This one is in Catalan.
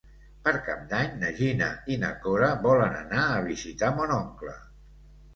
Per Cap d'Any na Gina i na Cora volen anar a visitar mon oncle.